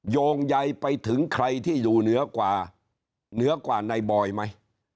โยงใยไปถึงใครที่อยู่เหนือกว่าเหนือกว่าในบอยไหม